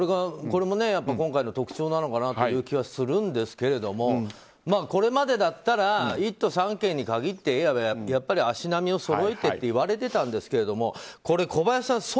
これも今回の特徴なのかなという気はするんですけどこれまでだったら１都３県に限って言えばやっぱり足並みをそろえてって言われてたんですがこれ、小林さん